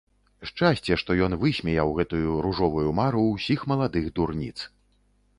Шчасце, што ён высмеяў гэтую ружовую мару ўсіх маладых дурніц.